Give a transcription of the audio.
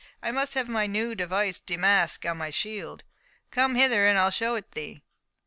I must have my new device damasked on my shield. Come hither, and I'll show it thee."